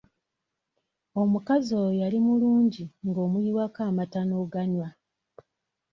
Omukazi oyo yali mulungi nga omuyiwako amata n'oganywa.